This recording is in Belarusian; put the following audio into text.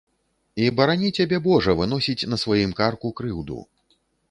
І барані цябе божа выносіць на сваім карку крыўду.